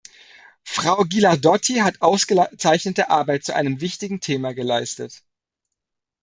Frau Ghilardotti hat ausgezeichnete Arbeit zu einem wichtigen Thema geleistet.